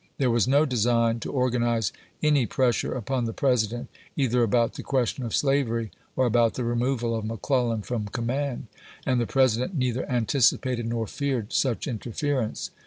There was no design to organize any pressure upon the President, either about the question of slavery or about the removal of Mc Clellan from command, and the President neither anticipated nor feared such interference.